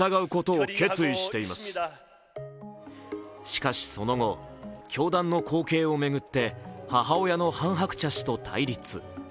しかしその後、教団の後継を巡って母親のハン・ハクチャ氏と対立。